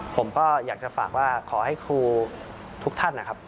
ผมก็อยากจะฝากว่าขอให้ครูทุกท่านนะครับ